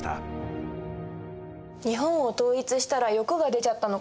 日本を統一したら欲が出ちゃったのかな？